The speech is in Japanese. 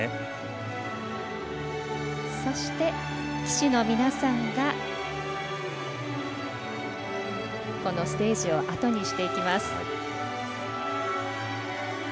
そして、旗手の皆さんがこのステージをあとにしていきます。